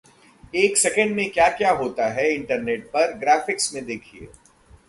एक सेकंड में क्या-क्या होता है इंटरनेट पर, ग्राफिक्स में देखिए